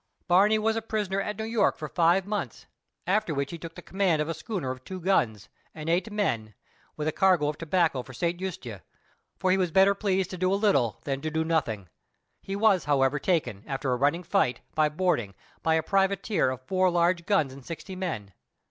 Barney was a prisoner at New York, for five months, after which he took the command of a schooner of two guns, and eight men, with a cargo of tobacco for St. Eustatia, for he was better pleased to do a little than to do nothing. He was however, taken, after a running fight, by boarding, by a privateer of four large guns and sixty men.